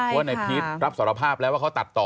ว่าในพีชรับสารภาพแล้วว่าเขาตัดต่อ